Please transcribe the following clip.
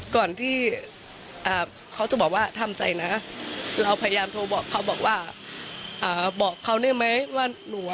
ก่อนที่เขาจะบอกว่าทำใจนะเราพยายามโทรบอกเขาบอกว่า